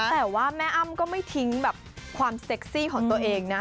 แต่ว่าแม่อ้ำก็ไม่ทิ้งแบบความเซ็กซี่ของตัวเองนะ